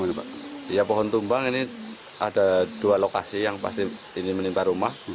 ya pohon tumbang ini ada dua lokasi yang pasti ini menimpa rumah